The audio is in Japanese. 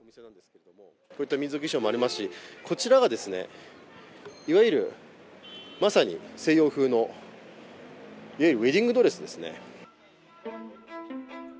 こういった民族衣装もありますしこちらが、いわゆるまさに西洋風のウエディングドレスです。